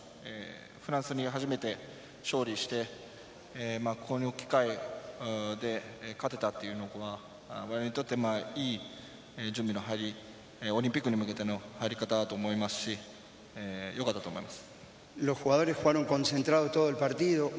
フランスに初めて勝利して、この機会で勝てたというのは我々にとっていい準備の入り、オリンピックに向けての入り方だと思いますし、よかったと思います。